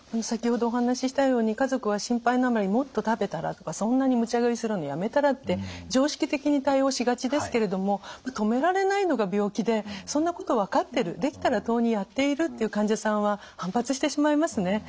先ほどお話ししたように家族は心配のあまり「もっと食べたら」とか「そんなにむちゃ食いするのやめたら」って常識的に対応しがちですけれども止められないのが病気でそんなこと分かってるできたらとうにやっているっていう患者さんは反発してしまいますね。